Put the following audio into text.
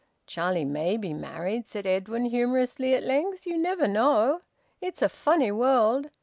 "Charlie may be married," said Edwin humorously, at length. "You never know! It's a funny world!